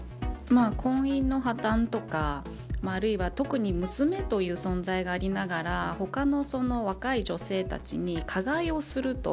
婚姻の破綻とかあるいは、特に娘という存在がありながら他の若い女性たちに加害をすると。